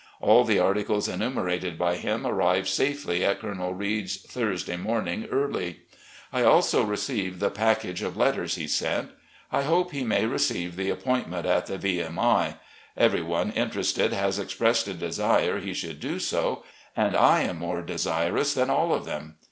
All the articles enumerated by him arrived safely at Colonel Reid's Thursday morning early. I also received the package of letters he sent. ... I hope he may receive the appointment at the V. M. I. Everyone interested has expressed a desire he should do so, and I am more desirous than all of them.